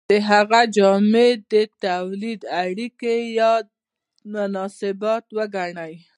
د هغه جامې د تولید اړیکې یا مناسبات وګڼئ.